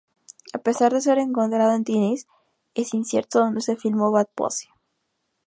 A pesar de ser encontrado en Tennessee, es incierto dónde se filmó Bat Pussy.